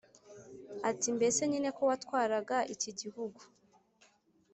nti: “mbese nyine ko watwaraga iki gihugu